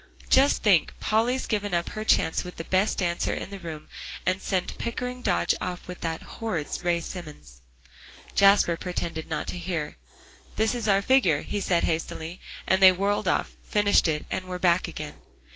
"Just think, Polly's given up her chance with the best dancer in the room, and sent Pickering Dodge off with that horrid Ray Simmons." Jasper pretended not to hear. "This is our figure," he said hastily, and they whirled off, finished it, and were back again.